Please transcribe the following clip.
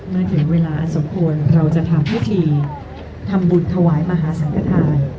มาถึงเวลาอสมควรเราจะทำพิธีทำบุตรทวายมหาสังกฐาน